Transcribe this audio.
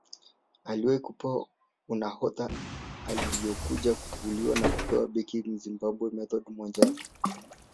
Amewahi kupewa unahodha aliokuja kuvuliwa na kupewa beki Mzimbabwe Method Mwanjale